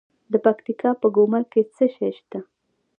د پکتیکا په ګومل کې څه شی شته؟